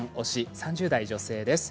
３０代女性です。